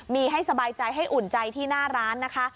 มีให้สบายใจให้อุ่นใจที่หน้าร้านนะคะ